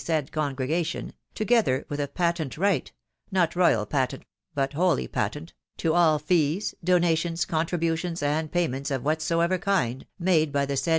said cese^aoatiosvtaja* ther with a patent right (not royal patent, rag hrrtJOT, Vat holy patent,) to all fees, donations, contributions^ and pay ments of whatsoever kind, made by die said.